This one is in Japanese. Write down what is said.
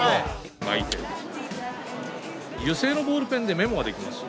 巻いて油性のボールペンでメモができます。